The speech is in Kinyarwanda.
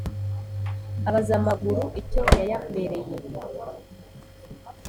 abaza amaguru icyo yayamereye